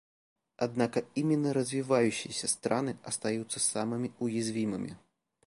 Однако именно развивающиеся страны остаются самыми уязвимыми.